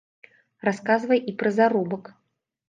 Расказвае і пра заробак.